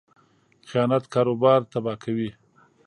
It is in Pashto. خیانت کاروبار تباه کوي.